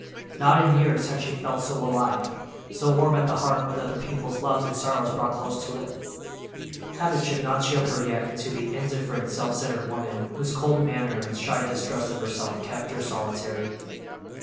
Not in years had she felt so alive, so warm at the heart with other people's loves and sorrows brought close to it. Habit should not chill her yet into the indifferent self centered woman whose cold manner and shy distrust of herself kept her solitary.